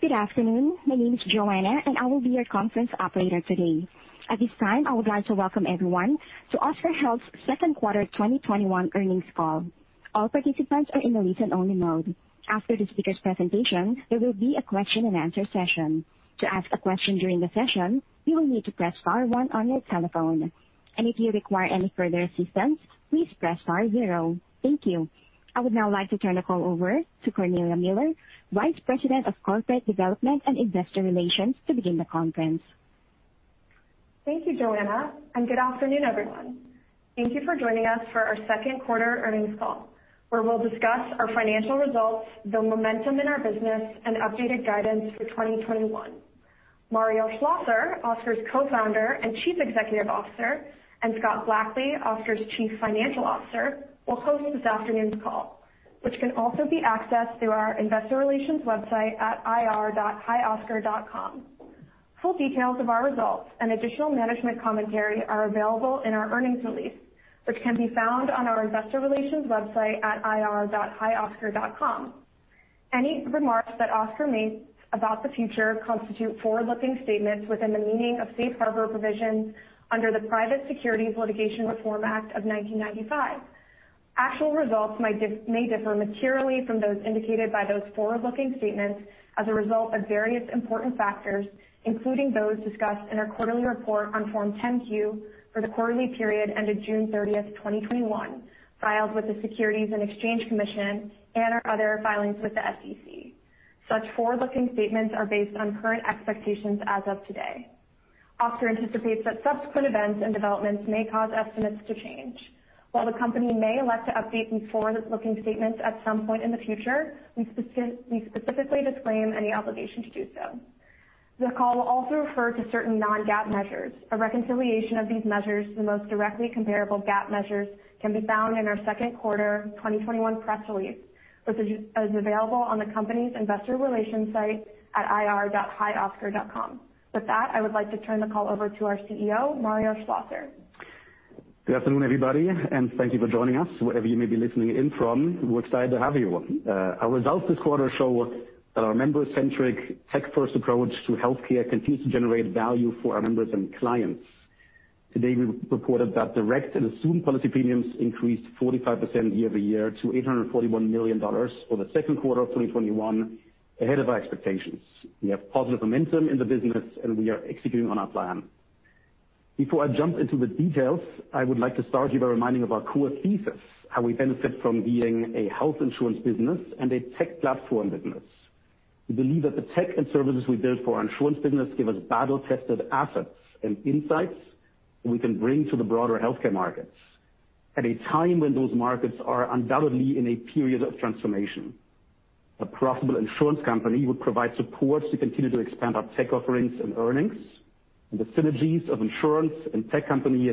Good afternoon. My name is Joanna. I will be your conference operator today. At this time, I would like to welcome everyone to Oscar Health's second quarter 2021 earnings call. All participants are in a listen-only mode. After the speaker's presentation, there will be a question and answer session. To ask a question during the session, you will need to press star one on your telephone. If you require any further assistance, please press star zero. Thank you. I would now like to turn the call over to Cornelia Miller, Vice President of Corporate Development and Investor Relations, to begin the conference. Thank you, Joanna, and good afternoon, everyone. Thank you for joining us for our second quarter earnings call, where we'll discuss our financial results, the momentum in our business, and updated guidance for 2021. Mario Schlosser, Oscar's Co-founder and Chief Executive Officer, and Scott Blackley, Oscar's Chief Financial Officer, will host this afternoon's call, which can also be accessed through our investor relations website at ir.hioscar.com. Full details of our results and additional management commentary are available in our earnings release, which can be found on our investor relations website at ir.hioscar.com. Any remarks that Oscar makes about the future constitute forward-looking statements within the meaning of safe harbor provisions under the Private Securities Litigation Reform Act of 1995. Actual results may differ materially from those indicated by those forward-looking statements as a result of various important factors, including those discussed in our quarterly report on Form 10-Q for the quarterly period ended June 30th, 2021, filed with the Securities and Exchange Commission and our other filings with the SEC. Such forward-looking statements are based on current expectations as of today. Oscar anticipates that subsequent events and developments may cause estimates to change. While the Company may elect to update these forward-looking statements at some point in the future, we specifically disclaim any obligation to do so. This call will also refer to certain non-GAAP measures. A reconciliation of these measures to the most directly comparable GAAP measures can be found in our second quarter 2021 press release, which is available on the company's investor relations site at ir.hioscar.com. With that, I would like to turn the call over to our CEO, Mario Schlosser. Good afternoon, everybody, and thank you for joining us wherever you may be listening in from. We're excited to have you. Our results this quarter show that our member-centric, tech-first approach to healthcare continues to generate value for our members and clients. Today, we reported that direct and assumed policy premiums increased 45% year-over-year to $841 million for the second quarter of 2021, ahead of our expectations. We have positive momentum in the business, and we are executing on our plan. Before I jump into the details, I would like to start here by reminding of our core thesis, how we benefit from being a health insurance business and a tech platform business. We believe that the tech and services we build for our insurance business give us battle-tested assets and insights that we can bring to the broader healthcare markets at a time when those markets are undoubtedly in a period of transformation. A profitable insurance company would provide support to continue to expand our tech offerings and earnings, and the synergies of insurance and tech company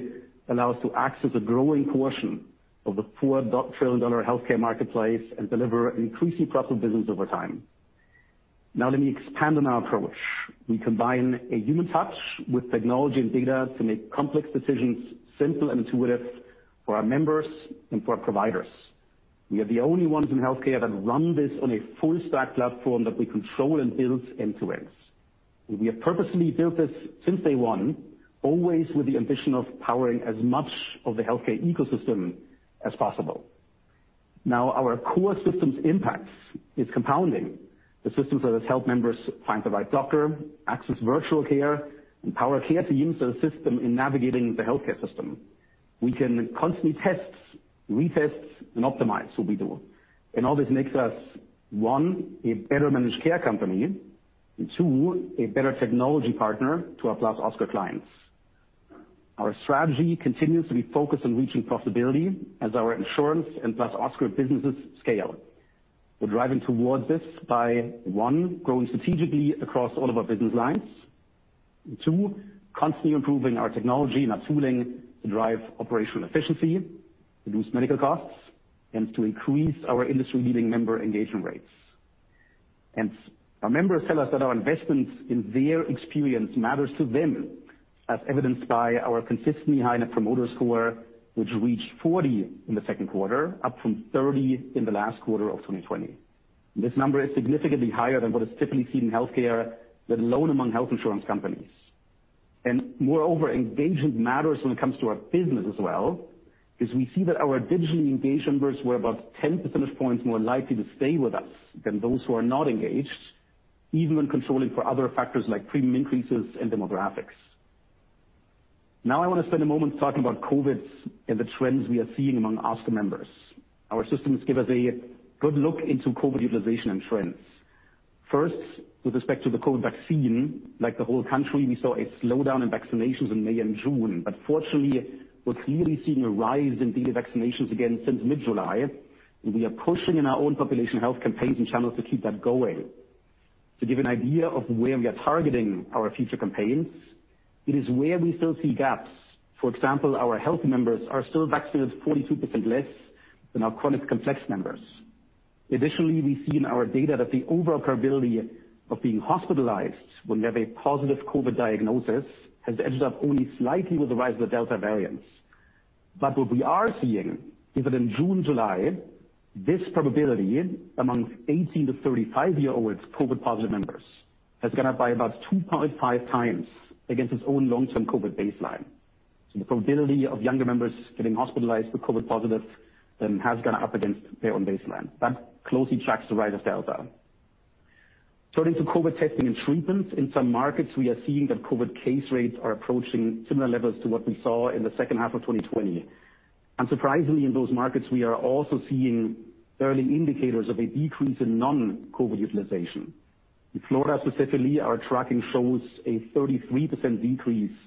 allow us to access a growing portion of the $4 trillion healthcare marketplace and deliver an increasingly profitable business over time. Let me expand on our approach. We combine a human touch with technology and data to make complex decisions simple and intuitive for our members and for our providers. We are the only ones in healthcare that run this on a full-stack platform that we control and build end to end. We have purposely built this since day one, always with the ambition of powering as much of the healthcare ecosystem as possible. Now our core systems impact is compounding. The systems that help members find the right doctor, access virtual care, empower care teams that assist them in navigating the healthcare system. We can constantly test, retest, and optimize what we do. All this makes us, one, a better managed care company, and two, a better technology partner to our +Oscar clients. Our strategy continues to be focused on reaching profitability as our insurance and +Oscar businesses scale. We're driving towards this by, one, growing strategically across all of our business lines, and two, constantly improving our technology and our tooling to drive operational efficiency, reduce medical costs, and to increase our industry-leading member engagement rates. Our members tell us that our investments in their experience matters to them, as evidenced by our consistently high net promoter score, which reached 40 in the second quarter, up from 30 in the last quarter of 2020. This number is significantly higher than what is typically seen in healthcare, let alone among health insurance companies. Moreover, engagement matters when it comes to our business as well, because we see that our digitally engaged members were about 10 percentage points more likely to stay with us than those who are not engaged, even when controlling for other factors like premium increases and demographics. Now I want to spend a moment talking about COVID and the trends we are seeing among Oscar members. Our systems give us a good look into COVID utilization and trends. With respect to the COVID vaccine, like the whole country, we saw a slowdown in vaccinations in May and June. Fortunately, we're clearly seeing a rise in daily vaccinations again since mid-July, and we are pushing in our own population health campaigns and channels to keep that going. To give an idea of where we are targeting our future campaigns, it is where we still see gaps. For example, our healthy members are still vaccinated 42% less than our chronic complex members. Additionally, we see in our data that the overall probability of being hospitalized when we have a positive COVID diagnosis has edged up only slightly with the rise of the Delta variant. What we are seeing is that in June, July, this probability amongst 18 to 35 year olds COVID positive members has gone up by about two point five times against its own long-term COVID baseline. The probability of younger members getting hospitalized for COVID positive has gone up against their own baseline. That closely tracks the rise of Delta. Turning to COVID testing and treatment. In some markets, we are seeing that COVID case rates are approaching similar levels to what we saw in the second half of 2020. Surprisingly, in those markets, we are also seeing early indicators of a decrease in non-COVID utilization. In Florida specifically, our tracking shows a 33% decrease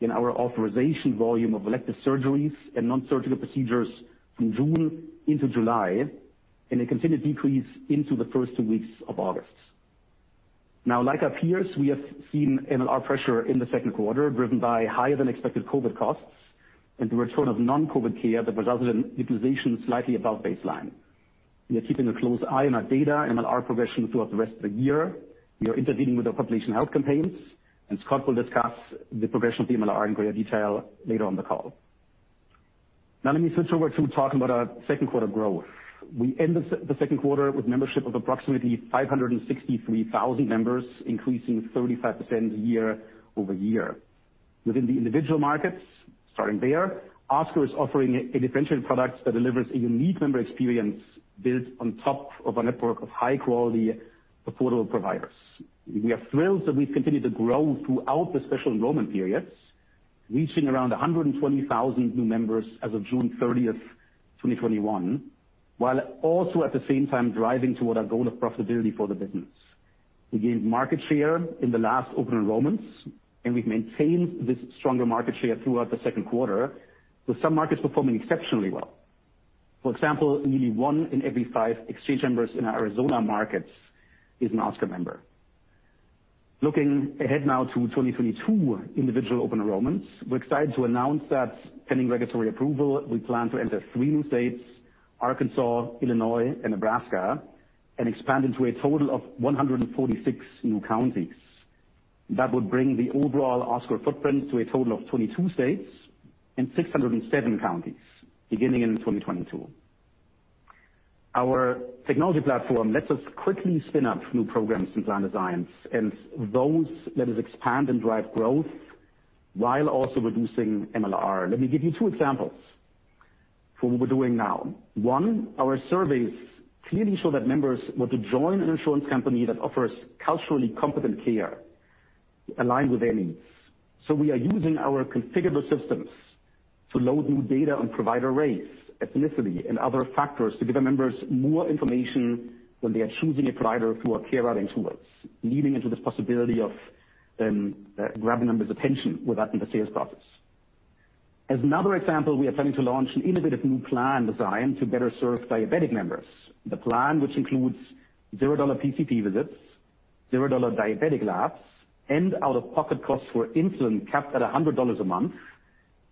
in our authorization volume of elective surgeries and non-surgical procedures from June into July, and a continued decrease into the first two weeks of August. Like our peers, we have seen MLR pressure in the second quarter, driven by higher than expected COVID costs and the return of non-COVID care that resulted in utilization slightly above baseline. We are keeping a close eye on our data MLR progression throughout the rest of the year. We are intervening with our population health campaigns, and Scott will discuss the progression of the MLR in greater detail later on the call. Now let me switch over to talking about our second quarter growth. We ended the second quarter with membership of approximately 563,000 members, increasing 35% year-over-year. Within the individual markets, starting there, Oscar is offering a differentiated product that delivers a unique member experience built on top of a network of high-quality, affordable providers. We are thrilled that we've continued to grow throughout the special enrollment periods, reaching around 120,000 new members as of June 30th, 2021, while also at the same time driving toward our goal of profitability for the business. We gained market share in the last open enrollments, and we've maintained this stronger market share throughout the second quarter, with some markets performing exceptionally well. For example, nearly one in every five exchange members in our Arizona markets is an Oscar member. Looking ahead now to 2022 individual open enrollments, we're excited to announce that pending regulatory approval, we plan to enter three new states, Arkansas, Illinois, and Nebraska, and expand into a total of 146 new counties. That would bring the overall Oscar footprint to a total of 22 states and 607 counties beginning in 2022. Our technology platform lets us quickly spin up new programs and plan designs and those let us expand and drive growth while also reducing MLR. Let me give you two examples for what we're doing now. One, our surveys clearly show that members want to join an insurance company that offers culturally competent care aligned with their needs. We are using our configurable systems to load new data on provider race, ethnicity, and other factors to give our members more information when they are choosing a provider through our care routing tools, leading into this possibility of grabbing members' attention with that in the sales process. As another example, we are planning to launch an innovative new plan design to better serve diabetic members. The plan, which includes $0 PCP visits, $0 diabetic labs, and out-of-pocket costs for insulin capped at $100 a month,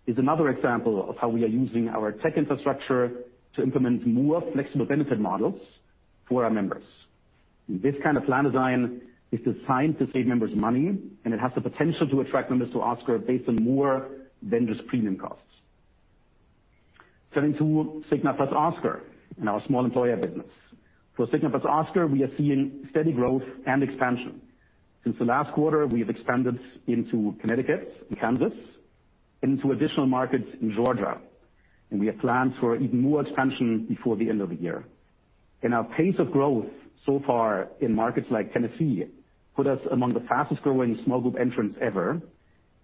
is another example of how we are using our tech infrastructure to implement more flexible benefit models for our members. This kind of plan design is designed to save members money, and it has the potential to attract members to Oscar based on more than just premium costs. Turning to Cigna + Oscar and our small employer business. For Cigna + Oscar, we are seeing steady growth and expansion. Since the last quarter, we have expanded into Connecticut and Kansas and into additional markets in Georgia, and we have plans for even more expansion before the end of the year. Our pace of growth so far in markets like Tennessee put us among the fastest-growing small group entrants ever,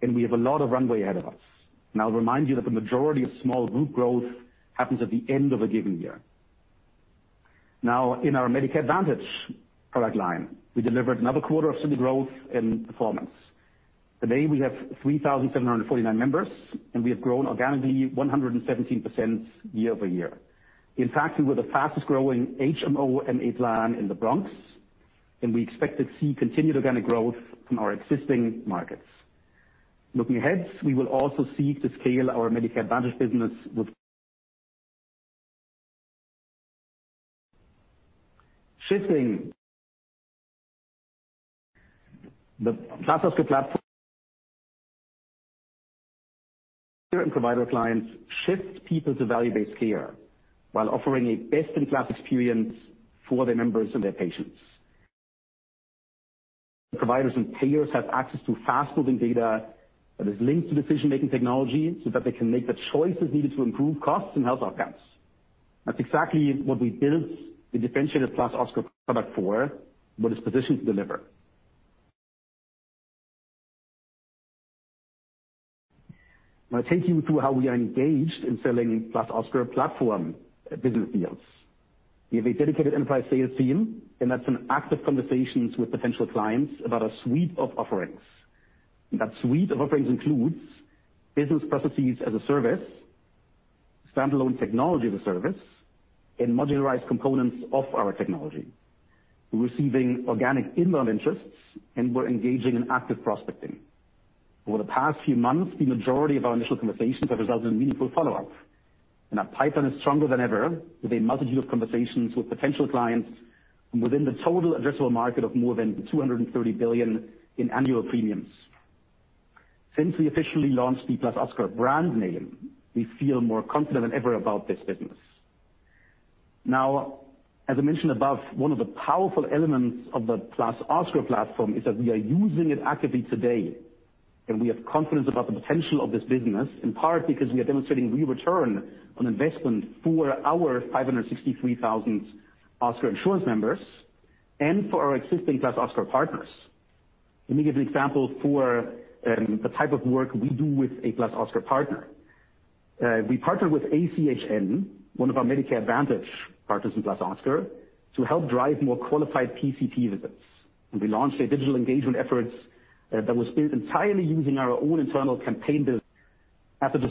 and we have a lot of runway ahead of us. I'll remind you that the majority of small group growth happens at the end of a given year. Now in our Medicare Advantage product line, we delivered another quarter of steady growth and performance. Today, we have 3,749 members, and we have grown organically 117% year-over-year. In fact, we were the fastest-growing HMO MA plan in the Bronx, and we expect to see continued organic growth from our existing markets. Looking ahead, we will also seek to scale our Medicare Advantage business. Shifting the platform provider clients shift people to value-based care while offering a best-in-class experience for their members and their patients. Providers and payers have access to fast-moving data that is linked to decision-making technology so that they can make the choices needed to improve costs and health outcomes. That's exactly what we built the differentiated +Oscar product for, what it's positioned to deliver. I'm going to take you through how we are engaged in selling +Oscar platform business deals. We have a dedicated enterprise sales team, and that's in active conversations with potential clients about our suite of offerings. That suite of offerings includes business processes as a service, standalone technology as a service, and modularized components of our technology. We're receiving organic inbound interests, and we're engaging in active prospecting. Over the past few months, the majority of our initial conversations have resulted in meaningful follow-up. Our pipeline is stronger than ever, with a multitude of conversations with potential clients within the total addressable market of more than $230 billion in annual premiums. Since we officially launched the +Oscar brand name, we feel more confident than ever about this business. As I mentioned above, one of the powerful elements of the +Oscar platform is that we are using it actively today, and we have confidence about the potential of this business, in part because we are demonstrating real return on investment for our 563,000 Oscar insurance members and for our existing +Oscar partners. Let me give you an example for the type of work we do with a +Oscar partner. We partner with ACHN, one of our Medicare Advantage partners in +Oscar, to help drive more qualified PCP visits. We launched a digital engagement effort that was built entirely using our own internal campaign build. Let me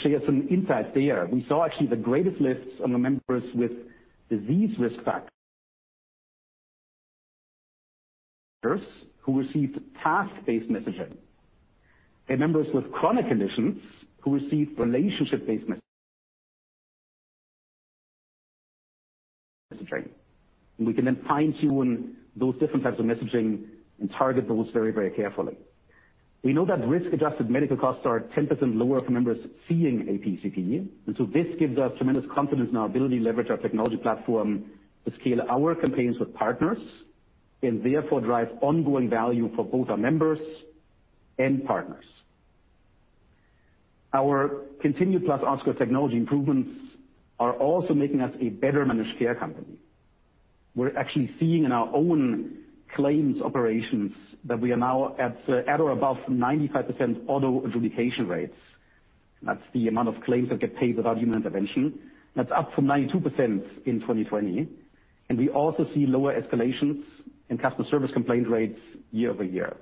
share some insight there. We saw actually the greatest lifts on the members with disease risk factors who received task-based messaging, and members with chronic conditions who received relationship-based messaging. We can then fine-tune those different types of messaging and target those very carefully. We know that risk-adjusted medical costs are 10% lower for members seeing a PCP, and so this gives us tremendous confidence in our ability to leverage our technology platform to scale our campaigns with partners, and therefore drive ongoing value for both our members and partners. Our continued +Oscar technology improvements are also making us a better managed care company. We're actually seeing in our own claims operations that we are now at or above 95% auto adjudication rates. That's the amount of claims that get paid without human intervention. That's up from 92% in 2020. We also see lower escalations in customer service complaint rates year-over-year.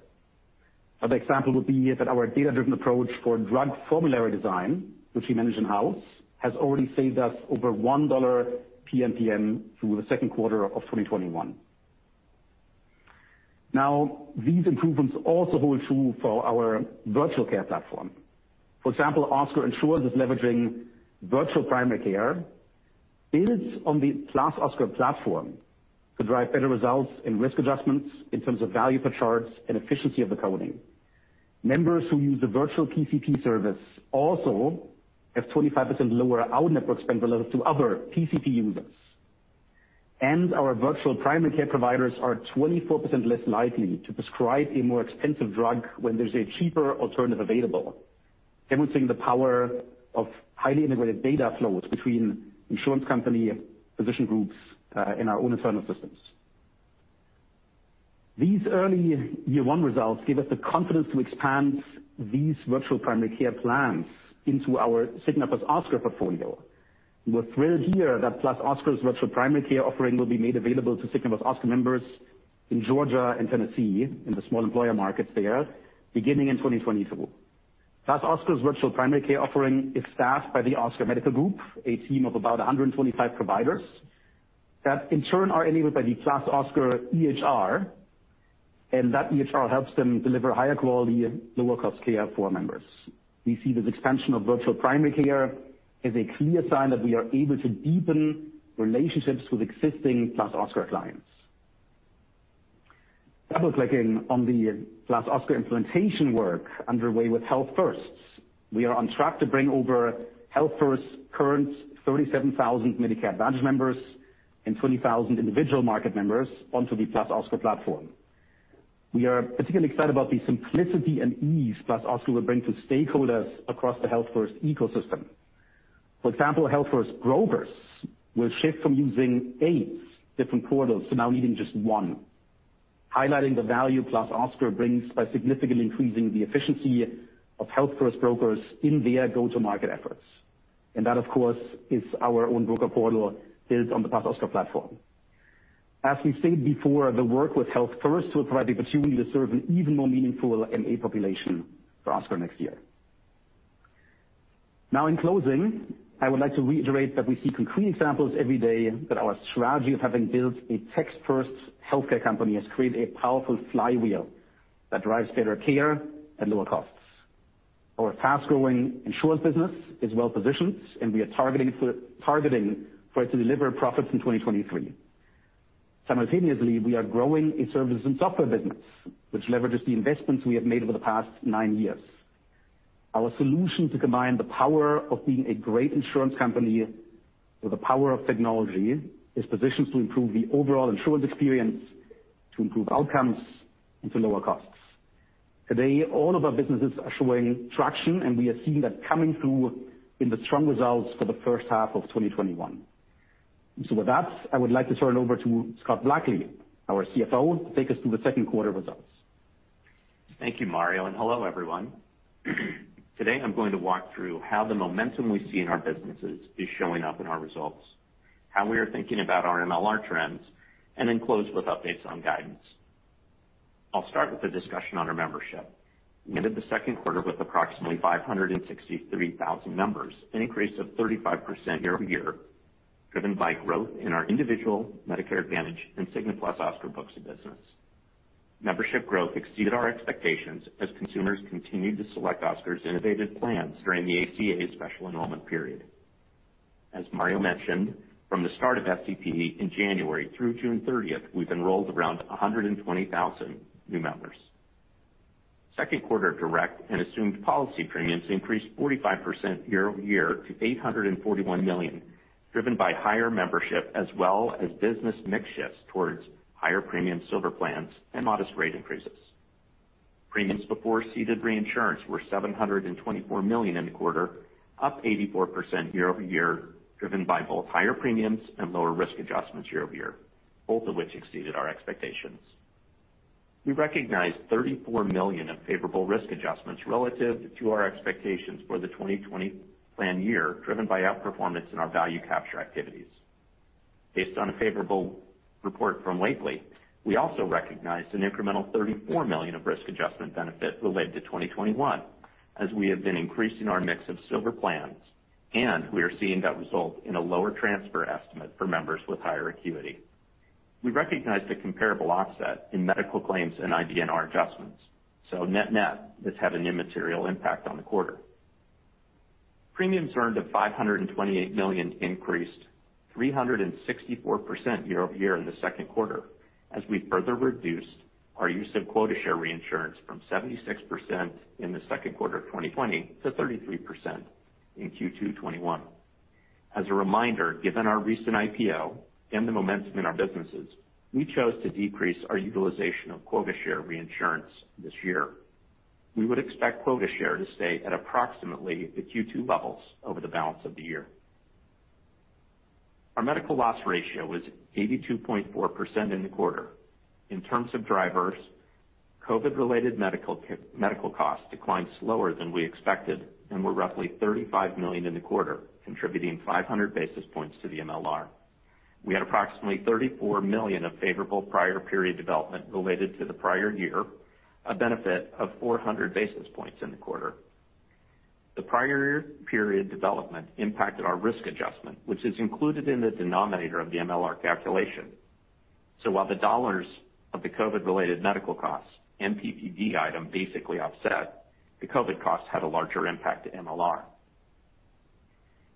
Another example would be that our data-driven approach for drug formulary design, which we manage in-house, has already saved us over $1 PMPM through the second quarter of 2021. These improvements also hold true for our virtual care platform. For example, Oscar is leveraging virtual primary care built on the +Oscar platform to drive better results in risk adjustments in terms of value per charts and efficiency of the coding. Members who use the virtual PCP service also have 25% lower out-network spend relative to other PCP users. Our virtual primary care providers are 24% less likely to prescribe a more expensive drug when there's a cheaper alternative available, demonstrating the power of highly integrated data flows between insurance company physician groups in our own internal systems. These early year-one results give us the confidence to expand these virtual primary care plans into our Cigna + Oscar portfolio. We're thrilled to hear that +Oscar's virtual primary care offering will be made available to Cigna + Oscar members in Georgia and Tennessee, in the small employer markets there, beginning in 2022. +Oscar's virtual primary care offering is staffed by the Oscar Medical Group, a team of about 125 providers that in turn are enabled by the +Oscar EHR, and that EHR helps them deliver higher quality and lower cost care for members. We see this expansion of virtual primary care as a clear sign that we are able to deepen relationships with existing +Oscar clients. Double-clicking on the +Oscar implementation work underway with Health First. We are on track to bring over Health First's current 37,000 Medicare Advantage members and 20,000 individual market members onto the +Oscar platform. We are particularly excited about the simplicity and ease +Oscar will bring to stakeholders across the Health First ecosystem. For example, Health First brokers will shift from using eight different portals to now needing just one, highlighting the value +Oscar brings by significantly increasing the efficiency of Health First brokers in their go-to-market efforts. That, of course, is our own broker portal built on the +Oscar platform. As we've stated before, the work with Health First will provide the opportunity to serve an even more meaningful MA population for Oscar next year. Now in closing, I would like to reiterate that we see concrete examples every day that our strategy of having built a tech-first healthcare company has created a powerful flywheel that drives better care and lower costs. Our fast-growing insurance business is well positioned, and we are targeting for it to deliver profits in 2023. Simultaneously, we are growing a services and software business, which leverages the investments we have made over the past nine years. Our solution to combine the power of being a great insurance company with the power of technology is positioned to improve the overall insurance experience, to improve outcomes, and to lower costs. Today, all of our businesses are showing traction, and we are seeing that coming through in the strong results for the first half of 2021. With that, I would like to turn it over to Scott Blackley, our CFO, to take us through the second quarter results. Thank you, Mario. Hello, everyone. Today, I'm going to walk through how the momentum we see in our businesses is showing up in our results, how we are thinking about our MLR trends, and then close with updates on guidance. I'll start with a discussion on our membership. We ended the second quarter with approximately 563,000 members, an increase of 35% year-over-year, driven by growth in our individual Medicare Advantage and Cigna + Oscar books of business. Membership growth exceeded our expectations as consumers continued to select Oscar's innovative plans during the ACA special enrollment period. As Mario mentioned, from the start of SEP in January through June 30th, we've enrolled around 120,000 new members. Second quarter direct and assumed policy premiums increased 45% year-over-year to $841 million, driven by higher membership as well as business mix shifts towards higher premium Silver plans and modest rate increases. Premiums before ceded reinsurance were $724 million in the quarter, up 84% year-over-year, driven by both higher premiums and lower risk adjustments year-over-year, both of which exceeded our expectations. We recognized $34 million of favorable risk adjustments relative to our expectations for the 2020 plan year, driven by outperformance in our value capture activities. Based on a favorable report from Wakely, we also recognized an incremental $34 million of risk adjustment benefit related to 2021, as we have been increasing our mix of Silver plans. We are seeing that result in a lower transfer estimate for members with higher acuity. We recognized a comparable offset in medical claims and IBNR adjustments. Net-net, this had an immaterial impact on the quarter. Premiums earned of $528 million increased 364% year-over-year in the second quarter, as we further reduced our use of quota share reinsurance from 76% in the second quarter of 2020 to 33% in Q2 2021. As a reminder, given our recent IPO and the momentum in our businesses, we chose to decrease our utilization of quota share reinsurance this year. We would expect quota share to stay at approximately the Q2 levels over the balance of the year. Our medical loss ratio was 82.4% in the quarter. In terms of drivers, COVID-related medical costs declined slower than we expected and were roughly $35 million in the quarter, contributing 500 basis points to the MLR. We had approximately $34 million of favorable prior period development related to the prior year, a benefit of 400 basis points in the quarter. The prior period development impacted our risk adjustment, which is included in the denominator of the MLR calculation. While the dollars of the COVID-related medical costs and PPD item basically offset, the COVID costs had a larger impact to MLR.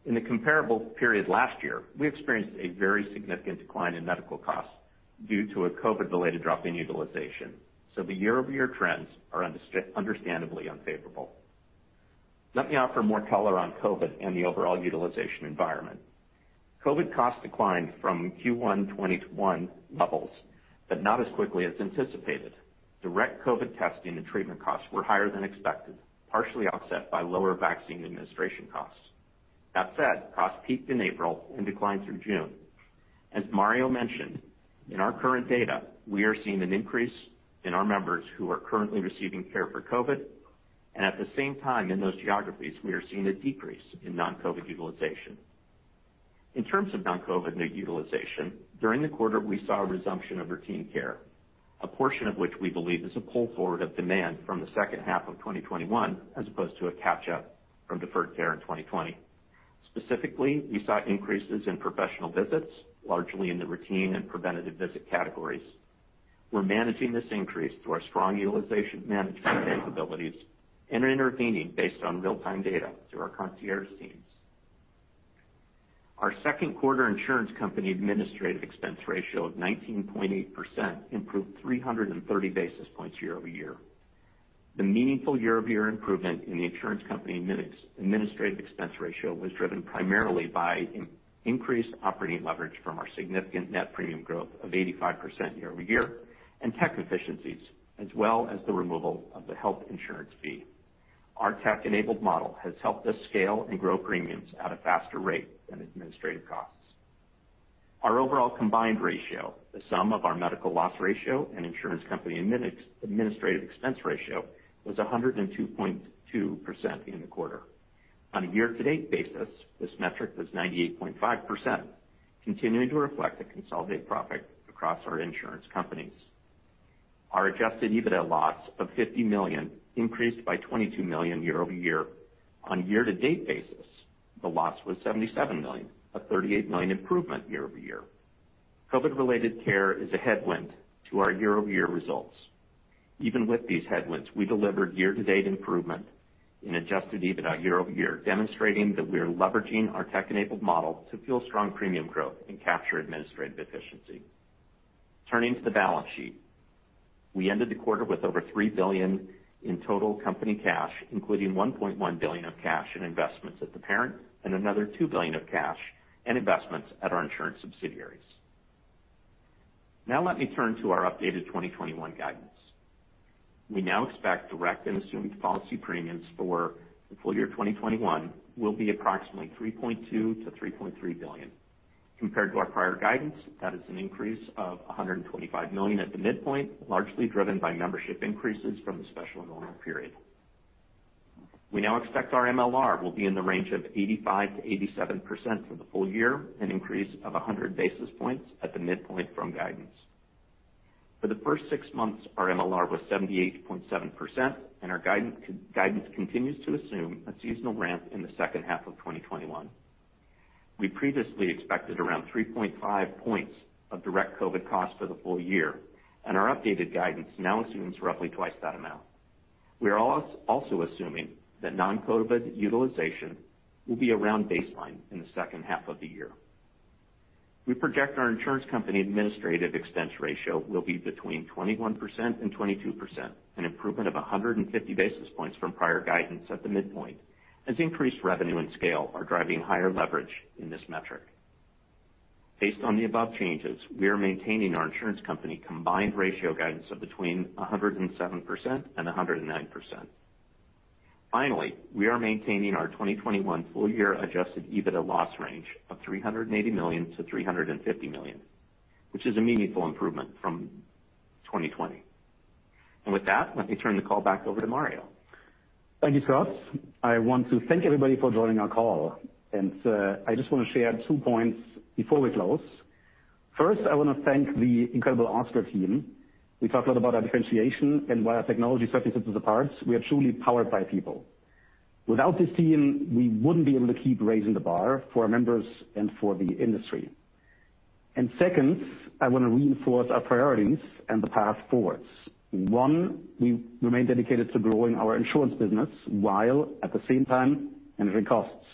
In the comparable period last year, we experienced a very significant decline in medical costs due to a COVID-related drop in utilization, so the year-over-year trends are understandably unfavorable. Let me offer more color on COVID and the overall utilization environment. COVID costs declined from Q1 2021 levels, but not as quickly as anticipated. Direct COVID testing and treatment costs were higher than expected, partially offset by lower vaccine administration costs. That said, costs peaked in April and declined through June. As Mario mentioned, in our current data, we are seeing an increase in our members who are currently receiving care for COVID, and at the same time, in those geographies, we are seeing a decrease in non-COVID utilization. In terms of non-COVID new utilization, during the quarter, we saw a resumption of routine care, a portion of which we believe is a pull forward of demand from the second half of 2021 as opposed to a catch-up from deferred care in 2020. Specifically, we saw increases in professional visits, largely in the routine and preventative visit categories. We're managing this increase through our strong utilization management capabilities and are intervening based on real-time data through our concierge teams. Our second quarter insurance company administrative expense ratio of 19.8% improved 330 basis points year-over-year. The meaningful year-over-year improvement in the insurance company administrative expense ratio was driven primarily by increased operating leverage from our significant net premium growth of 85% year-over-year and tech efficiencies, as well as the removal of the health insurance fee. Our tech-enabled model has helped us scale and grow premiums at a faster rate than administrative costs. Our overall combined ratio, the sum of our medical loss ratio and insurance company administrative expense ratio, was 102.2% in the quarter. On a year-to-date basis, this metric was 98.5%, continuing to reflect a consolidated profit across our insurance companies. Our adjusted EBITDA loss of $50 million increased by $22 million year-over-year. On a year-to-date basis, the loss was $77 million, a $38 million improvement year-over-year. COVID-related care is a headwind to our year-over-year results. Even with these headwinds, we delivered year-to-date improvement in adjusted EBITDA year-over-year, demonstrating that we are leveraging our tech-enabled model to fuel strong premium growth and capture administrative efficiency. Turning to the balance sheet. We ended the quarter with over $3 billion in total company cash, including $1.1 billion of cash and investments at the parent and another $2 billion of cash and investments at our insurance subsidiaries. Let me turn to our updated 2021 guidance. We now expect direct and assumed policy premiums for the full year 2021 will be approximately $3.2 billion-$3.3 billion. Compared to our prior guidance, that is an increase of $125 million at the midpoint, largely driven by membership increases from the special enrollment period. We now expect our MLR will be in the range of 85%-87% for the full year, an increase of 100 basis points at the midpoint from guidance. For the first six months, our MLR was 78.7%, and our guidance continues to assume a seasonal ramp in the second half of 2021. We previously expected around three point five points of direct COVID costs for the full year, and our updated guidance now assumes roughly twice that amount. We are also assuming that non-COVID utilization will be around baseline in the second half of the year. We project our insurance company administrative expense ratio will be between 21% and 22%, an improvement of 150 basis points from prior guidance at the midpoint, as increased revenue and scale are driving higher leverage in this metric. Based on the above changes, we are maintaining our insurance company combined ratio guidance of between 107% and 109%. Finally, we are maintaining our 2021 full year adjusted EBITDA loss range of $380 million-$350 million, which is a meaningful improvement from 2020. With that, let me turn the call back over to Mario. Thank you, Scott. I want to thank everybody for joining our call, and I just want to share two points before we close. First, I want to thank the incredible Oscar team. We talked a lot about our differentiation and why our technology sets us apart. We are truly powered by people. Without this team, we wouldn't be able to keep raising the bar for our members and for the industry. Second, I want to reinforce our priorities and the path forwards. One, we remain dedicated to growing our insurance business while at the same time managing costs.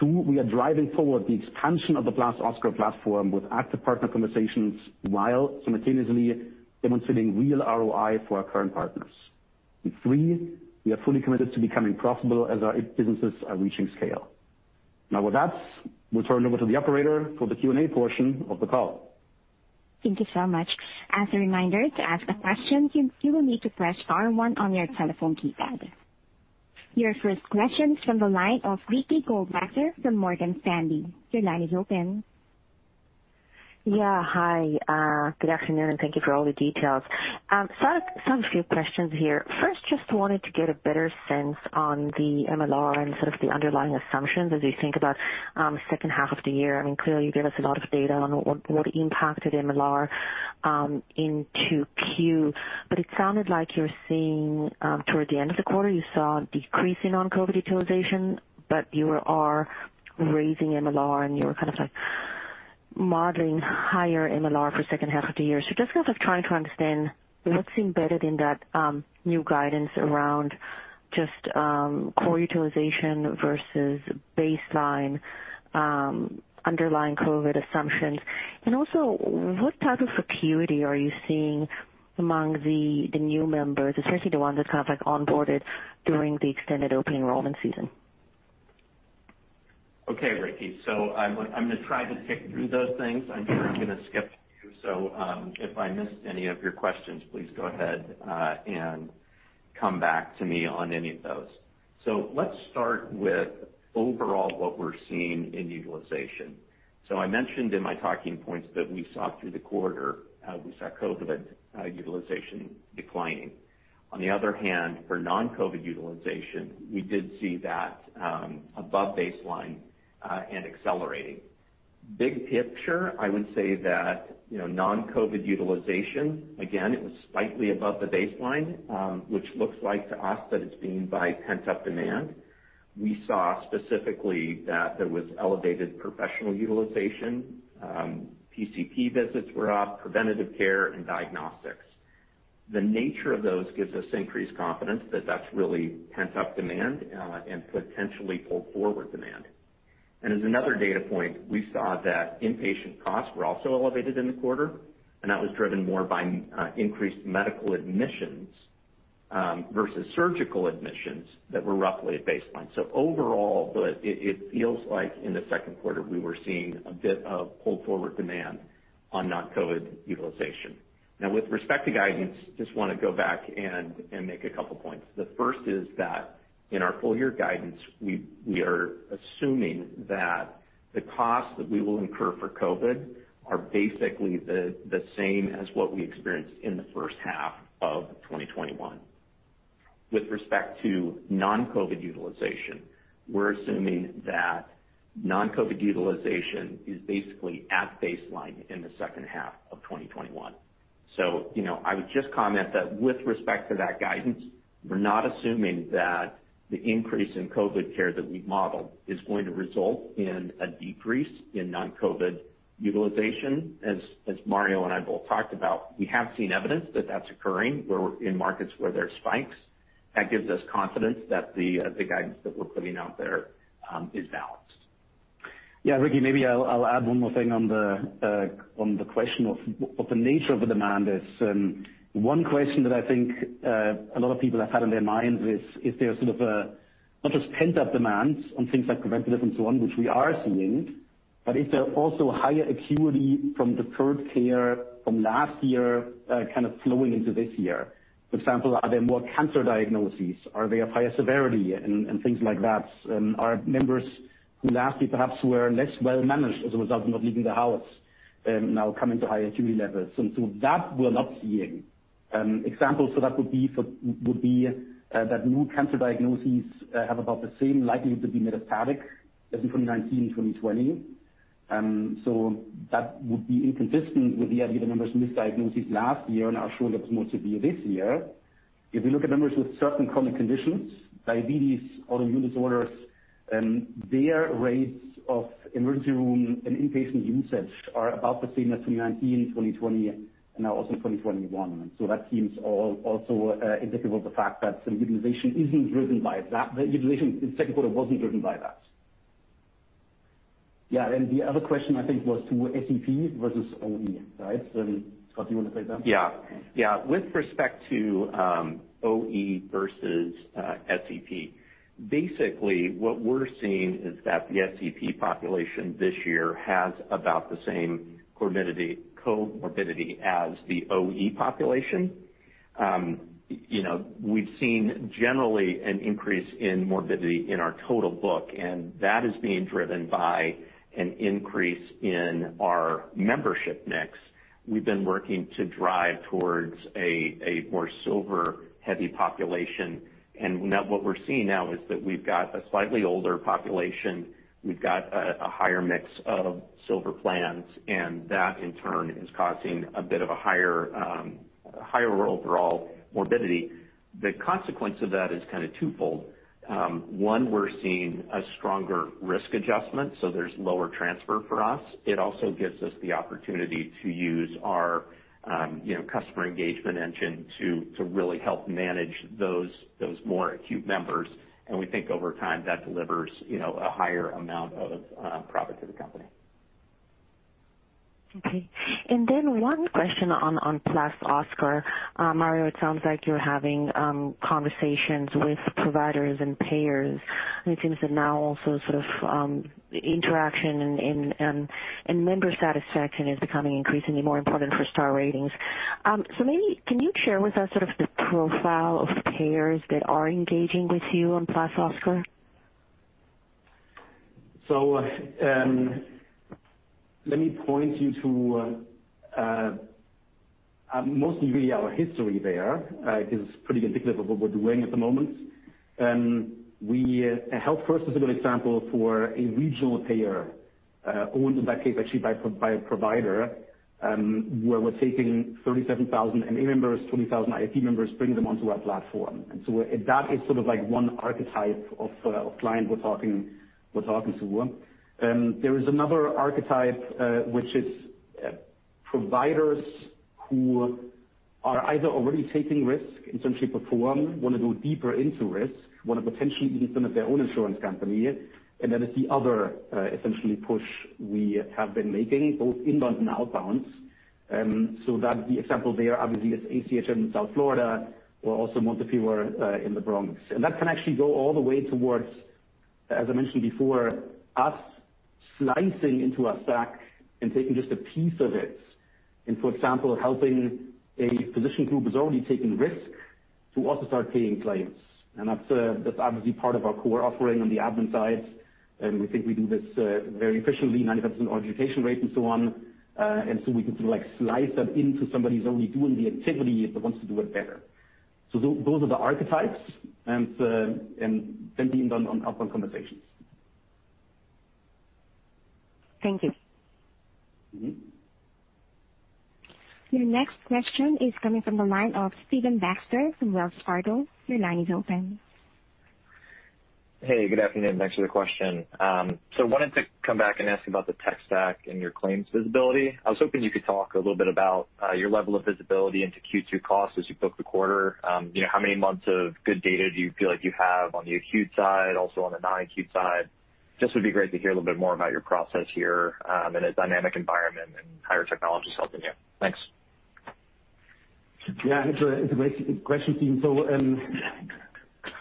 Two, we are driving forward the expansion of the +Oscar platform with active partner conversations while simultaneously demonstrating real ROI for our current partners. Three, we are fully committed to becoming profitable as our businesses are reaching scale. With that, we'll turn over to the operator for the Q&A portion of the call. Thank you so much. As a reminder to ask a question you will need to press star one on your telephone keypad. Your first question is from the line of Ricky Goldwasser from Morgan Stanley. Yeah. Hi. Good afternoon. Thank you for all the details. I have a few questions here. First, just wanted to get a better sense on the MLR and sort of the underlying assumptions as we think about second half of the year. Clearly you gave us a lot of data on what impacted MLR into Q2. It sounded like you're seeing toward the end of the quarter, you saw a decrease in non-COVID utilization. You are raising MLR, and you're kind of modeling higher MLR for second half of the year. Just kind of trying to understand what's embedded in that new guidance around just core utilization versus baseline underlying COVID assumptions. Also, what type of acuity are you seeing among the new members, especially the ones that onboarded during the extended open enrollment season? Okay, Ricky. I'm going to try to pick through those things. I'm sure I'm going to skip a few, so if I missed any of your questions, please go ahead and come back to me on any of those. Let's start with overall what we're seeing in utilization. I mentioned in my talking points that we saw through the quarter, we saw COVID utilization declining. On the other hand, for non-COVID utilization, we did see that above baseline and accelerating. Big picture, I would say that non-COVID utilization, again, it was slightly above the baseline, which looks like to us that it's being by pent-up demand. We saw specifically that there was elevated professional utilization. PCP visits were up, preventative care, and diagnostics. The nature of those gives us increased confidence that that's really pent-up demand and potentially pulled forward demand. As another data point, we saw that inpatient costs were also elevated in the quarter, and that was driven more by increased medical admissions versus surgical admissions that were roughly at baseline. Overall, it feels like in the second quarter, we were seeing a bit of pull forward demand on non-COVID utilization. With respect to guidance, just want to go back and make two points. The first is that in our full year guidance, we are assuming that the cost that we will incur for COVID are basically the same as what we experienced in the first half of 2021. With respect to non-COVID utilization, we're assuming that non-COVID utilization is basically at baseline in the second half of 2021. I would just comment that with respect to that guidance, we're not assuming that the increase in COVID care that we've modeled is going to result in a decrease in non-COVID utilization. As Mario and I both talked about, we have seen evidence that that's occurring in markets where there are spikes. That gives us confidence that the guidance that we're putting out there is balanced. Ricky, maybe I'll add one more thing on the question of what the nature of the demand is. One question that I think a lot of people have had on their minds is there sort of a not just pent-up demand on things like preventive and so on, which we are seeing, but is there also higher acuity from deferred care from last year kind of flowing into this year? For example, are there more cancer diagnoses? Are they of higher severity and things like that? Are members who lastly perhaps were less well managed as a result of not leaving the house now coming to higher acuity levels? That we're not seeing. Examples for that would be that new cancer diagnoses have about the same likelihood to be metastatic as in 2019 and 2020. That would be inconsistent with the idea the numbers misdiagnosed last year, and I'm sure that's more severe this year. If you look at members with certain chronic conditions, diabetes, autoimmune disorders, their rates of emergency room and inpatient usage are about the same as 2019, 2020, and now also 2021. That seems also indicative of the fact that utilization in the second quarter wasn't driven by that. Yeah. The other question, I think, was to SEP versus OE, right? Scott, do you want to take that? Yeah. With respect to OE versus SEP, basically what we're seeing is that the SEP population this year has about the same comorbidity as the OE population. We've seen generally an increase in morbidity in our total book, and that is being driven by an increase in our membership mix. We've been working to drive towards a more Silver-heavy population. What we're seeing now is that we've got a slightly older population, we've got a higher mix of Silver plans, and that in turn is causing a bit of a higher overall morbidity. The consequence of that is kind of twofold. One, we're seeing a stronger risk adjustment, so there's lower transfer for us. It also gives us the opportunity to use our customer engagement engine to really help manage those more acute members. We think over time, that delivers a higher amount of profit to the company. Okay. one question on +Oscar. Mario, it sounds like you're having conversations with providers and payers. It seems that now also sort of interaction and member satisfaction is becoming increasingly more important for star ratings. Maybe can you share with us sort of the profile of payers that are engaging with you on +Oscar? Let me point you to mostly really our history there, is pretty indicative of what we're doing at the moment. Health First is a good example for a regional payer, owned in that case, actually by a provider, where we're taking 37,000 MA members, 20,000 IFP members, bringing them onto our platform. That is sort of like one archetype of client we're talking to. There is another archetype, which is providers who are either already taking risk in some shape or form, want to go deeper into risk, want to potentially even become their own insurance company, and that is the other, essentially push we have been making, both inbound and outbound. The example there obviously is ACHN in South Florida or also Montefiore in the Bronx. That can actually go all the way towards, as I mentioned before, us slicing into a stack and taking just a piece of it. For example, helping a physician group is only taking risk to also start paying claims. That's obviously part of our core offering on the admin side. We think we do this very efficiently, 95% adjudication rate and so on. We can sort of like slice that into somebody who's already doing the activity but wants to do it better. Those are the archetypes, and then the inbound, outbound conversations. Thank you. Your next question is coming from the line of Stephen Baxter from Wells Fargo. Your line is open. Hey, good afternoon. Thanks for the question. I wanted to come back and ask about the tech stack and your claims visibility. I was hoping you could talk a little bit about your level of visibility into Q2 costs as you book the quarter. How many months of good data do you feel like you have on the acute side, also on the non-acute side? Just would be great to hear a little bit more about your process here, in a dynamic environment and higher technology helping you. Thanks. Yeah, it's a great question, Stephen.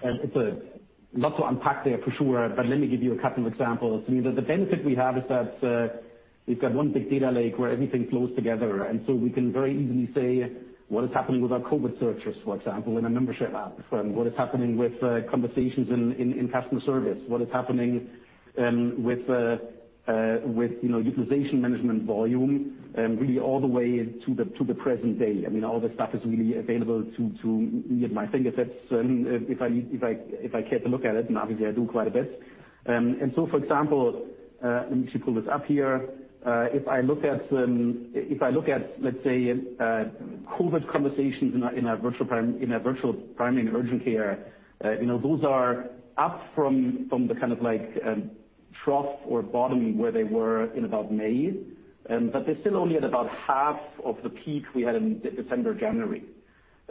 It's a lot to unpack there for sure, but let me give you a couple of examples. The benefit we have is that, we've got one big data lake where everything flows together, and so we can very easily say what is happening with our COVID searches, for example, in our membership app, what is happening with conversations in customer service, what is happening with utilization management volume, really all the way to the present day. All the stuff is really available to me at my fingertips if I care to look at it, and obviously I do quite a bit. For example, let me pull this up here. If I look at, let's say, COVID conversations in our virtual primary and urgent care, those are up from the kind of trough or bottom where they were in about May. They're still only at about half of the peak we had in December, January.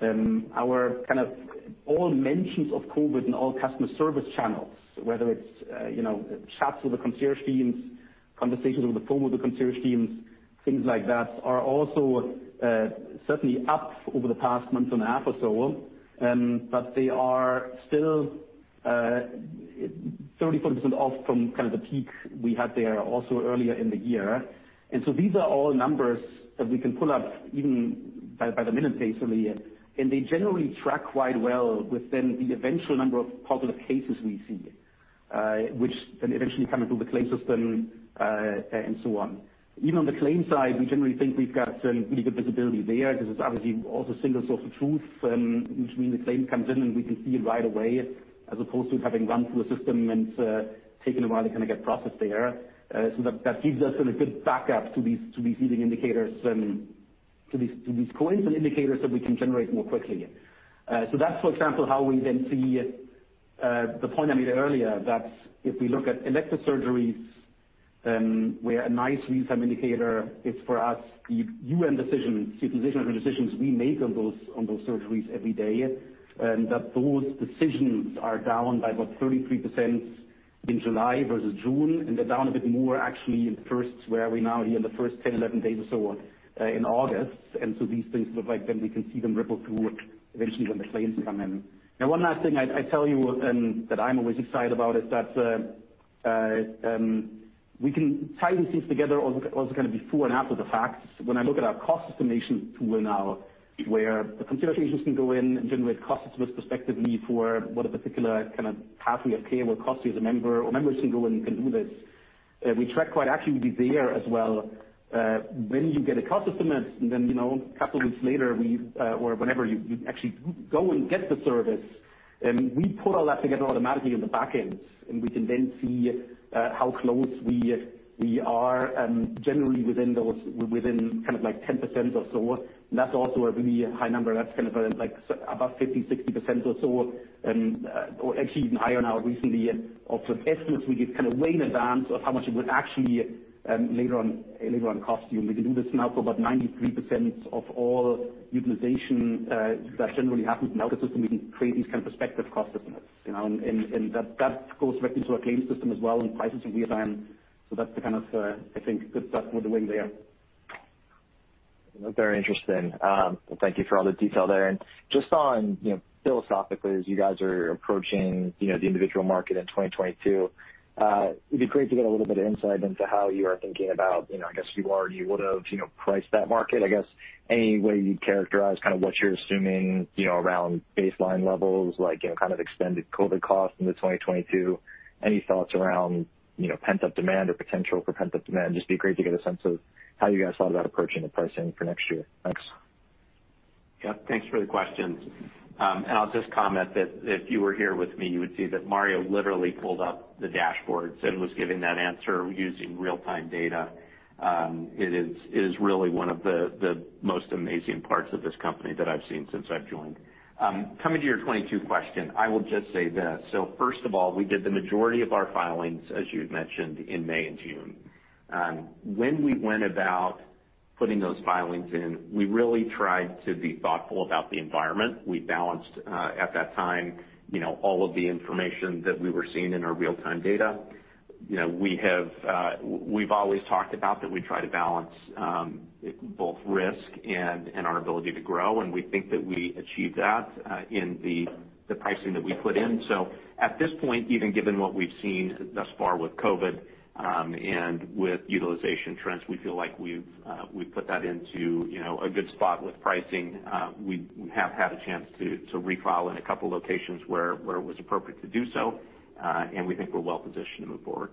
Our kind of all mentions of COVID in all customer service channels, whether it's chats with the concierge teams, conversations over the phone with the concierge teams, things like that, are also certainly up over the past month and a half or so. They are still 30%, 40% off from kind of the peak we had there also earlier in the year. These are all numbers that we can pull up even by the minute basically. They generally track quite well within the eventual number of positive cases we see, which then eventually come into the claim system, and so on. Even on the claim side, we generally think we've got really good visibility there because it's obviously all the single source of truth, which means the claim comes in, and we can see it right away, as opposed to having run through a system and taking a while to kind of get processed there. That gives us a good backup to these leading indicators, to these coincident indicators that we can generate more quickly. That's, for example, how we then see the point I made earlier, that if we look at elective surgeries, where a nice real-time indicator is for us, the UM decisions, utilization decisions we make on those surgeries every day, that those decisions are down by about 33% in July versus June, and they're down a bit more actually in the first, where are we now here, in the first 10, 11 days or so on, in August. These things look like then we can see them ripple through eventually when the claims come in. One last thing I tell you that I'm always excited about is that we can tie these things together also kind of before and after the fact. When I look at our cost estimation tool now, where the concierge agents can go in and generate cost estimates prospectively for what a particular kind of pathway of care will cost you as a member, or members can go in and can do this. We track quite accurately there as well. When you get a cost estimate, and then a couple of weeks later or whenever you actually go and get the service, we pull all that together automatically in the back end, and we can then see how close we are, generally within kind of 10% or so. That's also a really high number. That's kind of above 50%, 60% or so, or actually even higher now recently, of sort of estimates we give kind of way in advance of how much it would actually later on cost you. We can do this now for about 93% of all utilization that generally happens in our system. We can create these kind of perspective cost estimates. That goes right into our claims system as well and pricing real-time. That's the kind of, I think, good stuff we're doing there. Very interesting. Thank you for all the detail there. Just on philosophically, as you guys are approaching the individual market in 2022, it'd be great to get a little bit of insight into how you are thinking about, I guess, you would've priced that market. I guess, any way you'd characterize kind of what you're assuming around baseline levels, like kind of extended COVID costs into 2022? Any thoughts around pent-up demand or potential for pent-up demand? Just be great to get a sense of how you guys thought about approaching the pricing for next year. Thanks. Yeah. Thanks for the questions. I'll just comment that if you were here with me, you would see that Mario literally pulled up the dashboards and was giving that answer using real-time data. It is really one of the most amazing parts of this company that I've seen since I've joined. Coming to your 2022 question, I will just say this. First of all, we did the majority of our filings, as you had mentioned, in May and June. When we went about putting those filings in, we really tried to be thoughtful about the environment. We balanced, at that time, all of the information that we were seeing in our real-time data. We've always talked about that we try to balance both risk and our ability to grow, and we think that we achieved that in the pricing that we put in. At this point, even given what we've seen thus far with COVID, and with utilization trends, we feel like we've put that into a good spot with pricing. We have had a chance to refile in a couple locations where it was appropriate to do so, and we think we're well positioned to move forward.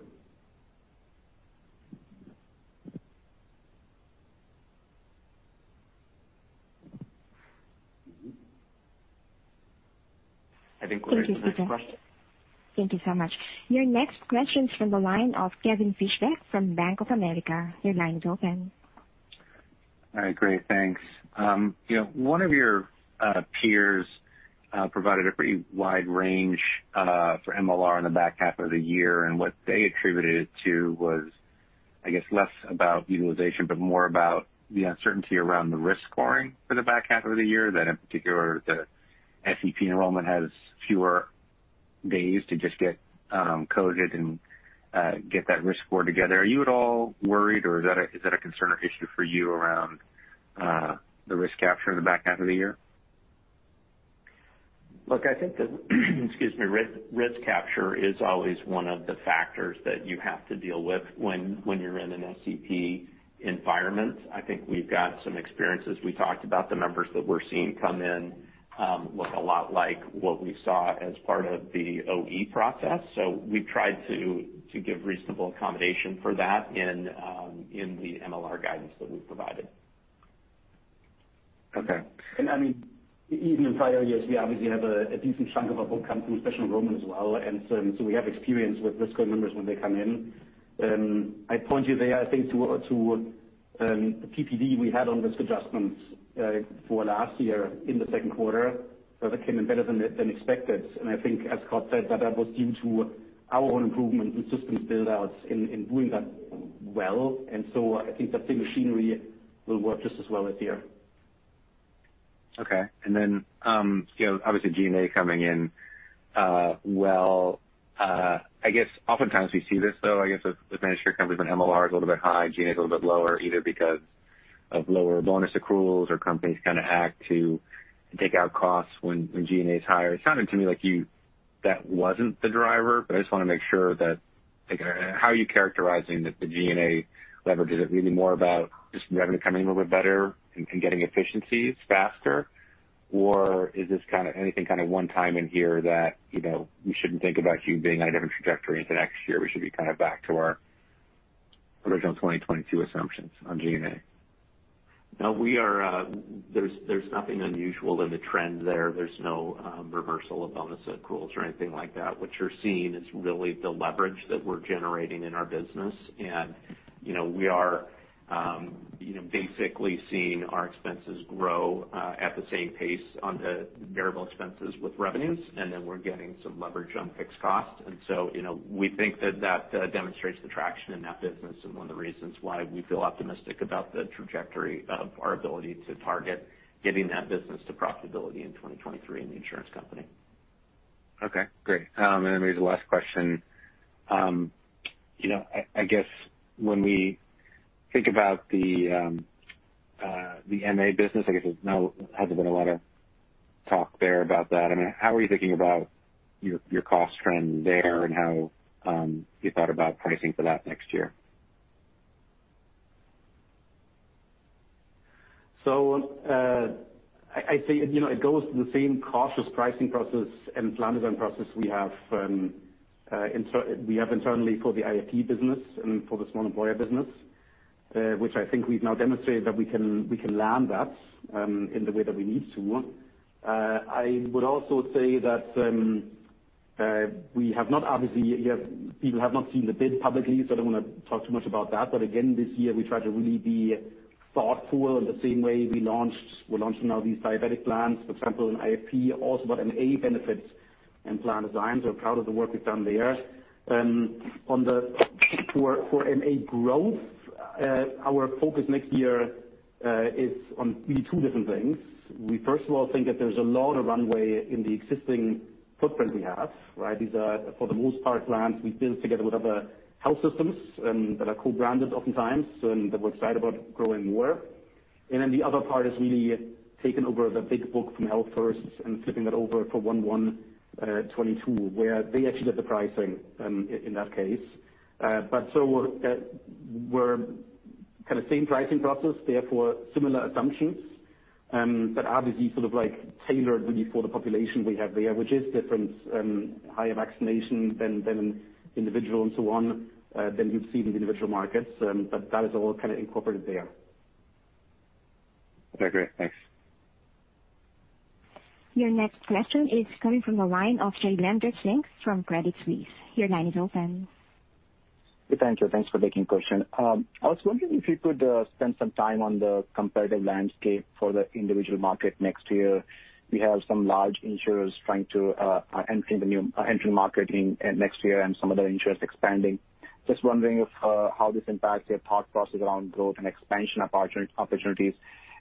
I think we're ready for the next question. Thank you so much. Your next question is from the line of Kevin Fischbeck from Bank of America. Your line is open. All right, great, thanks. One of your peers provided a pretty wide range for MLR in the back half of the year, and what they attributed it to was, I guess, less about utilization, but more about the uncertainty around the risk scoring for the back half of the year. That in particular, the SEP enrollment has fewer days to just get coded and get that risk score together. Are you at all worried, or is that a concern or issue for you around the risk capture in the back half of the year? Look, I think the excuse me, risk capture is always one of the factors that you have to deal with when you're in an SEP environment. I think we've got some experiences. We talked about the members that we're seeing come in look a lot like what we saw as part of the OE process. We've tried to give reasonable accommodation for that in the MLR guidance that we've provided. Okay. Even in prior years, we obviously have a decent chunk of our book come through special enrollment as well. We have experience with risk score members when they come in. I'd point you there, I think, to the PPD we had on risk adjustments for last year in the second quarter. That came in better than expected. I think, as Scott said, that that was due to our own improvements in systems build-outs in doing that well. I think that same machinery will work just as well this year. Okay. Obviously G&A coming in well. I guess oftentimes we see this, though. I guess with managed care companies, when MLR is a little bit high, G&A is a little bit lower, either because of lower bonus accruals or companies kind of act to take out costs when G&A is higher. It sounded to me like that wasn't the driver. I just want to make sure that, how are you characterizing the G&A leverage? Is it really more about just revenue coming in a little bit better and getting efficiencies faster? Or is this anything kind of one time in here that we shouldn't think about you being on a different trajectory into next year? We should be kind of back to our original 2022 assumptions on G&A. No. There's nothing unusual in the trend there. There's no reversal of bonus accruals or anything like that. What you're seeing is really the leverage that we're generating in our business. We are basically seeing our expenses grow at the same pace on the variable expenses with revenues, and then we're getting some leverage on fixed costs. We think that that demonstrates the traction in that business, and one of the reasons why we feel optimistic about the trajectory of our ability to target getting that business to profitability in 2023 in the insurance company. Okay, great. Then maybe the last question. I guess when we think about the MA business, I guess there's now hasn't been a lot of talk there about that. How are you thinking about your cost trend there and how you thought about pricing for that next year? I'd say, it goes through the same cautious pricing process and plan design process we have internally for the IFP business and for the small employer business, which I think we've now demonstrated that we can land that in the way that we need to. I would also say that, people have not seen the bid publicly, so I don't want to talk too much about that. Again, this year we try to really be thoughtful in the same way we're launching now these diabetic plans, for example, in IFP, also got MA benefits and plan designs. We're proud of the work we've done there. For MA growth, our focus next year is on really two different things. We first of all think that there's a lot of runway in the existing footprint we have, right? These are for the most part plans we've built together with other health systems and that are co-branded oftentimes, and that we're excited about growing more. The other part is really taking over the big book from Health First and flipping that over for 1/1/2022, where they actually set the pricing in that case. We're kind of same pricing process, therefore similar assumptions. Obviously tailored really for the population we have there, which is different, higher vaccination than individual and so on, than you'd see in the individual markets. That is all kind of incorporated there. Okay, great. Thanks. Your next question is coming from the line of Jailendra Singh from Credit Suisse. Your line is open. Jailendra Singh. Thanks for taking question. I was wondering if you could spend some time on the competitive landscape for the individual market next year? We have some large insurers trying to enter market next year and some other insurers expanding. Just wondering how this impacts your thought process around growth and expansion opportunities.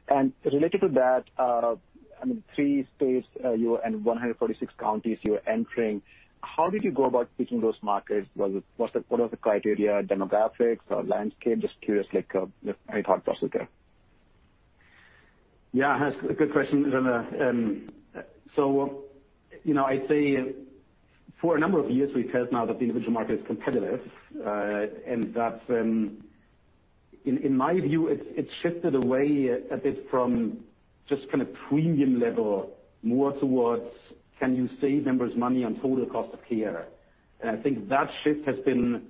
Related to that, three states and 146 counties you're entering, how did you go about picking those markets? What are the criteria, demographics or landscape? Just curious, like your thought process there. Yeah, that's a good question, Jailendra. I'd say for a number of years, we've heard now that the individual market is competitive. In my view, it's shifted away a bit from just kind of premium level, more towards can you save members money on total cost of care. That shift has been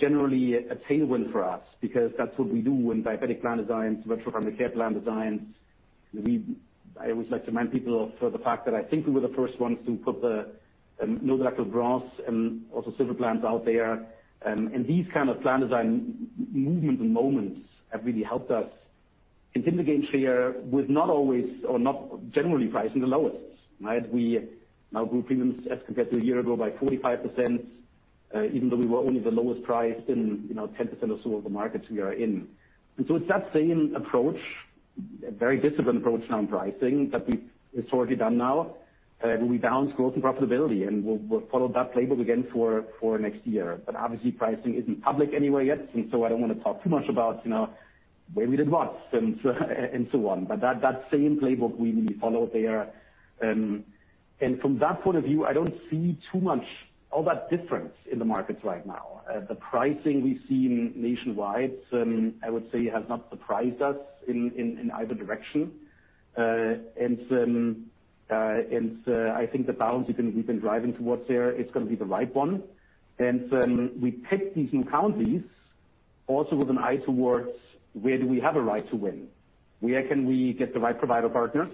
generally a tailwind for us because that's what we do when diabetic plan designs, virtual primary care plan designs. I always like to remind people of the fact that I think we were the first ones to put the no deductible bronze and also Silver plans out there. These kind of plan design movements and moments have really helped us continue to gain share with not always, or not generally pricing the lowest. Right? We now grew premiums as compared to a year ago by 45%, even though we were only the lowest priced in 10% or so of the markets we are in. It's that same approach, very disciplined approach now on pricing that we've historically done now. We balanced growth and profitability, and we'll follow that playbook again for next year. Obviously pricing isn't public anywhere yet, and so I don't want to talk too much about where we did what and so on. That same playbook we follow there. From that point of view, I don't see too much, all that difference in the markets right now. The pricing we've seen nationwide, I would say, has not surprised us in either direction. I think the balance we've been driving towards there is going to be the right one. We picked these new counties also with an eye towards where do we have a right to win. Where can we get the right provider partners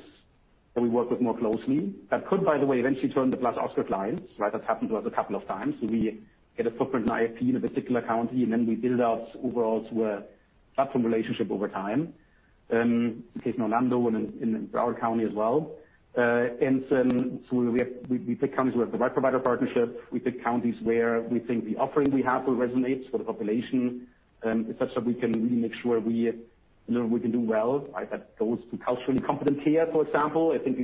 that we work with more closely that could, by the way, eventually turn into Oscar clients, right? That's happened to us a couple of times. We get a footprint in IFP in a particular county, and then we build out overall to platform relationship over time. In case in Orlando and in Broward County as well. We pick counties where we have the right provider partnership. We pick counties where we think the offering we have will resonate for the population, such that we can really make sure we can do well. That goes to culturally competent care for example. I think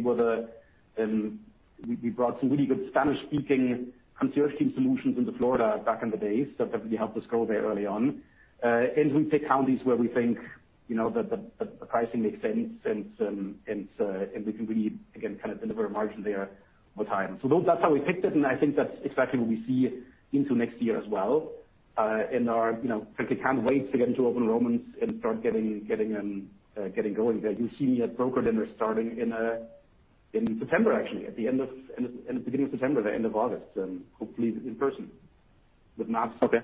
we brought some really good Spanish-speaking concierge team solutions into Florida back in the day. That really helped us grow there early on. We pick counties where we think the pricing makes sense and we can really, again, kind of deliver a margin there over time. That's how we picked it, and I think that's exactly what we see into next year as well. Because we can't wait to get into open enrollments and start getting going there. You'll see me at broker dinners starting in September, actually, at the beginning of September, the end of August, and hopefully in person, but not. Okay.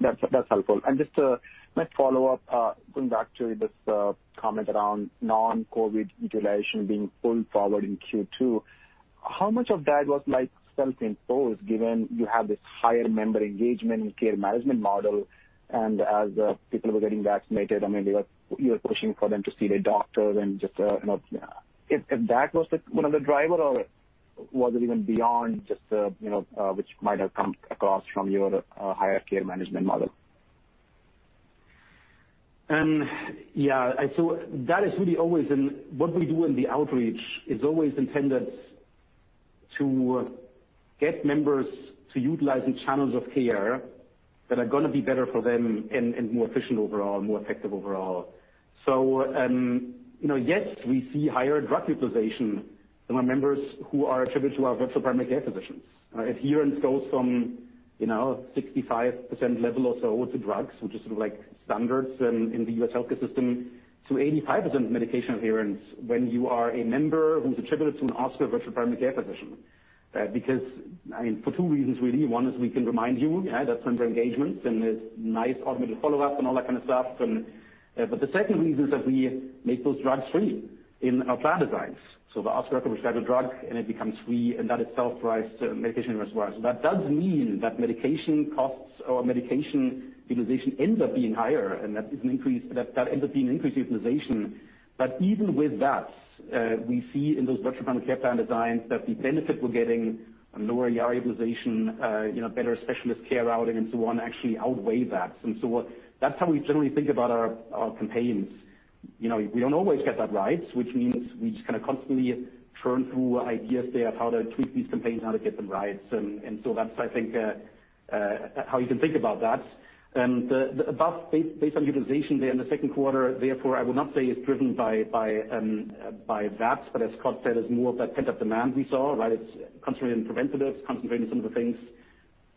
That's helpful. Just a quick follow-up, going back to this comment around non-COVID utilization being pulled forward in Q2. How much of that was self-imposed, given you have this higher member engagement and care management model, and as people were getting vaccinated, you were pushing for them to see their doctors and just, if that was one of the drivers, or was it even beyond just which might have come across from your higher care management model? That is really always, and what we do in the outreach is always intended to get members to utilize the channels of care that are going to be better for them and more efficient overall, more effective overall. Yes, we see higher drug utilization in our members who are attributed to our virtual primary care physicians. Adherence goes from 65% level or so to drugs, which is sort of standard in the U.S. healthcare system, to 85% medication adherence when you are a member who's attributed to an Oscar virtual primary care physician. Because, for two reasons, really. One is we can remind you, that's member engagement, and there's nice automated follow-ups and all that kind of stuff. The second reason is that we make those drugs free in our plan designs. The Oscar can prescribe a drug, and it becomes free, and that itself drives medication utilization. That does mean that medication costs or medication utilization ends up being higher, and that ends up being increased utilization. Even with that, we see in those virtual primary care plan designs that the benefit we're getting, lower utilization, better specialist care routing and so on, actually outweigh that. That's how we generally think about our campaigns. We don't always get that right, which means we just kind of constantly churn through ideas there of how to tweak these campaigns and how to get them right. That's, I think, how you can think about that. The above, based on utilization there in the second quarter, therefore, I would not say is driven by that, but as Scott said, is more of that pent-up demand we saw. It's concentrated in preventatives, concentrated in some of the things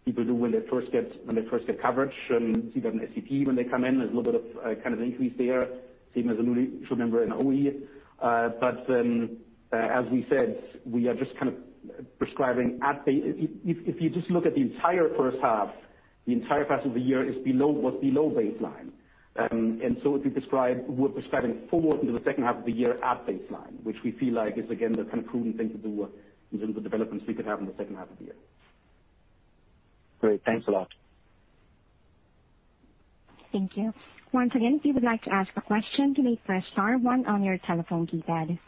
people do when they first get coverage and see them in PCP when they come in. There's a little bit of increase there, same as a newly insured member in OE. As we said, we are just kind of prescribing. If you just look at the entire first half, the entire first half of the year was below baseline. We're prescribing forward into the second half of the year at baseline, which we feel like is again, the kind of prudent thing to do given the developments we could have in the second half of the year. Great. Thanks a lot. Thank you. Once again, if you would like to ask a question, you may press star one on your telephone keypad.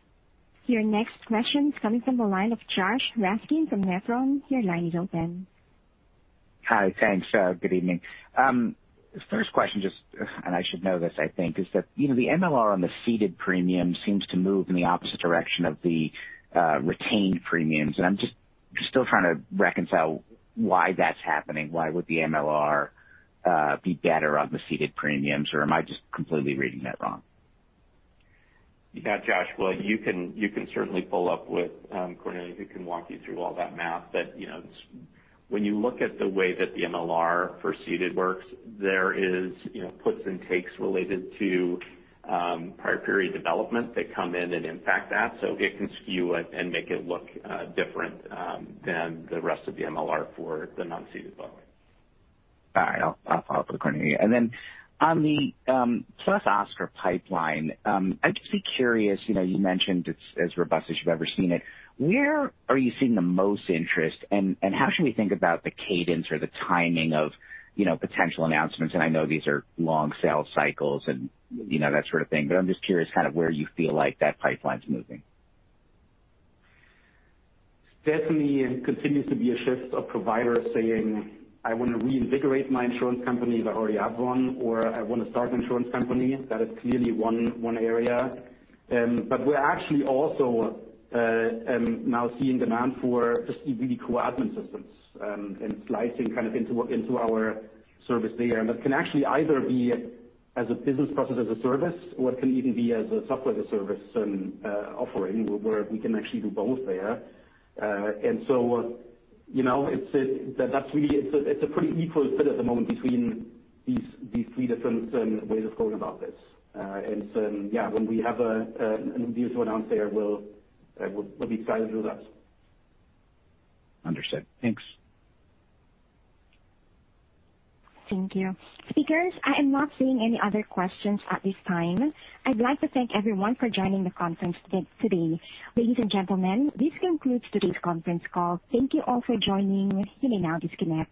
Your next question is coming from the line of Josh Raskin from Nephron. Your line is open. Hi. Thanks. Good evening. First question. I should know this, I think, is that the MLR on the ceded premium seems to move in the opposite direction of the retained premiums. I'm just still trying to reconcile why that's happening. Why would the MLR be better on the ceded premiums? Am I just completely reading that wrong? Yeah, Josh. Well, you can certainly follow up with Cornelia, who can walk you through all that math. When you look at the way that the MLR for ceded works, there is puts and takes related to prior period development that come in and impact that. It can skew it and make it look different than the rest of the MLR for the non-ceded book. All right. I'll follow up with Cornelia. On the +Oscar pipeline, I'd just be curious, you mentioned it's as robust as you've ever seen it. Where are you seeing the most interest, and how should we think about the cadence or the timing of potential announcements? I know these are long sales cycles and that sort of thing, but I'm just curious kind of where you feel like that pipeline's moving. Definitely, it continues to be a shift of providers saying, I want to reinvigorate my insurance company if I already have one, or, I want to start an insurance company. That is clearly one area. We're actually also now seeing demand for just really cool admin systems and slicing kind of into our service there. That can actually either be as a business process as a service, or it can even be as a software service offering, where we can actually do both there. It's a pretty equal fit at the moment between these three different ways of going about this. Yeah, when we have a new one to announce there, we'll be excited to do that. Understood. Thanks. Thank you. Speakers, I am not seeing any other questions at this time. I'd like to thank everyone for joining the conference today. Ladies and gentlemen, this concludes today's conference call. Thank you all for joining. You may now disconnect.